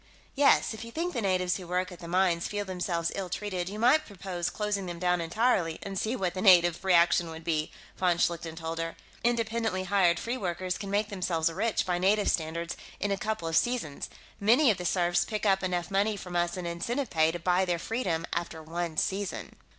"Yes, if you think the natives who work at the mines feel themselves ill treated, you might propose closing them down entirely and see what the native reaction would be," von Schlichten told her. "Independently hired free workers can make themselves rich, by native standards, in a couple of seasons; many of the serfs pick up enough money from us in incentive pay to buy their freedom after one season."